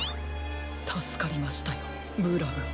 たすかりましたよブラウン。